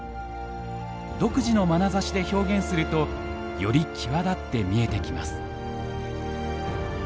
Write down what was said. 独自のまなざしで表現するとより際立って見えてきます。